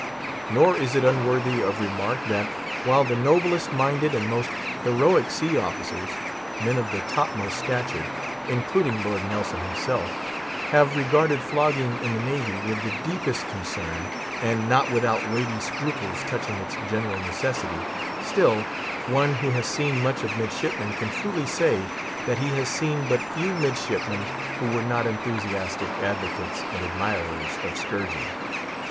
Nor is it unworthy of remark that, while the noblest minded and most heroic sea officers—men of the topmost stature, including Lord Nelson himself—have regarded flogging in the Navy with the deepest concern, and not without weighty scruples touching its general necessity, still, one who has seen much of midshipmen can truly say that he has seen but few midshipmen who were not enthusiastic advocates and admirers of scourging.